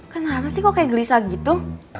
kenapa sih kok kayak gelisah gitu